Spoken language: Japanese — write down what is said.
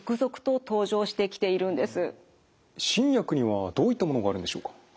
新薬にはどういったものがあるんでしょうか？